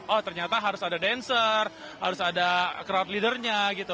oh ternyata harus ada dancer harus ada crowd leadernya gitu